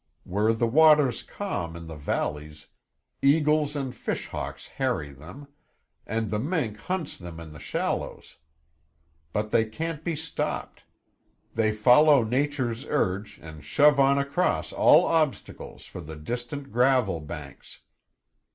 Where the water's calm in the valleys, eagles and fish hawks harry them, and the mink hunts them in the shallows. But they can't be stopped; they follow Nature's urge and shove on across all obstacles for the distant gravel banks.